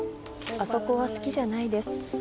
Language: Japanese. あそこは好きじゃないです。